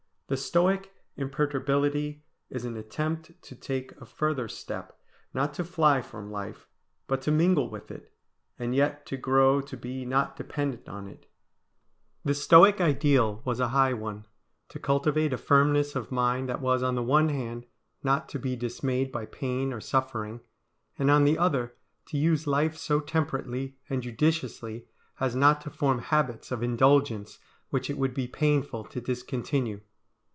The Stoic imperturbability is an attempt to take a further step; not to fly from life, but to mingle with it, and yet to grow to be not dependent on it. The Stoic ideal was a high one, to cultivate a firmness of mind that was on the one hand not to be dismayed by pain or suffering, and on the other to use life so temperately and judiciously as not to form habits of indulgence which it would be painful to discontinue.